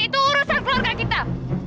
itu urusan keluarga kita